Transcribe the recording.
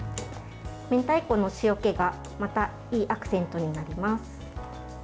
明太子の塩気がまたいいアクセントになります。